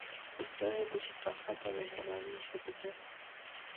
پسه د شفقت او مهربانۍ ژبه ده.